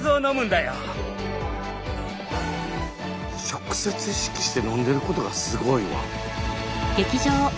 直接意識して飲んでることがすごいわ。